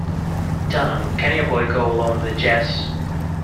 Dunham, can your boy go along with Jesse.